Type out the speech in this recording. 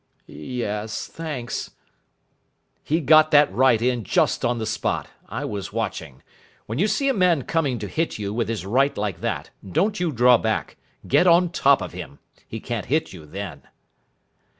"Yes, thanks." "He got that right in just on the spot. I was watching. When you see a man coming to hit you with his right like that, don't you draw back. Get on top of him. He can't hit you then."